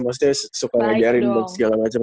maksudnya suka ngejarin buat segala macem ya